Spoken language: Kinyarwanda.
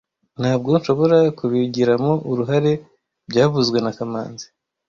Ntabwo nshobora kubigiramo uruhare byavuzwe na kamanzi